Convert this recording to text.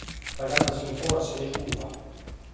T’agatas in foras sena curpa.